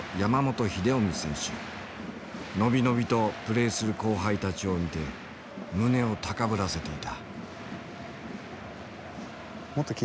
伸び伸びとプレーする後輩たちを見て胸を高ぶらせていた。